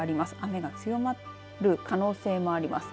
雨が強まる可能性もあります。